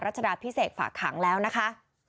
ชดาพิเศษฝากขังแล้วนะคะ